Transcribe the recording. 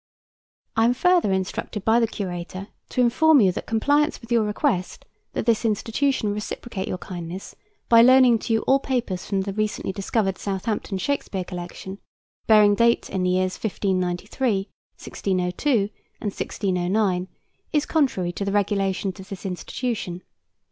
I am further instructed by the Curator to inform you that compliance with your request that this institution reciprocate your kindness by loaning to you all papers from the recently discovered Southampton Shakespeare Collection, bearing date in the years 1593, 1602, and 1609, is contrary to the regulations of this institution.